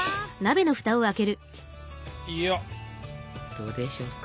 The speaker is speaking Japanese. どうでしょうか？